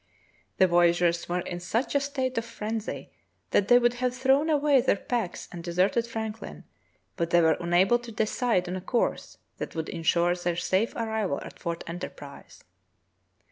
The voyageurs were in such a state of frenzy that they would have thrown away their packs and deserted Franklin, but they were unable to decide on a course that would insure their safe arrival at Fort Enterprise.